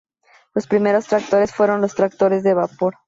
Los primeros tractores fueron los tractores de vapor.